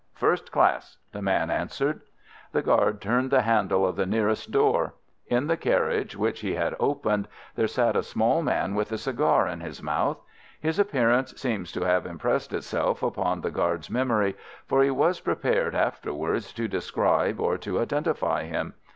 "First class," the man answered. The guard turned the handle of the nearest door. In the carriage, which he had opened, there sat a small man with a cigar in his mouth. His appearance seems to have impressed itself upon the guard's memory, for he was prepared, afterwards, to describe or to identify him.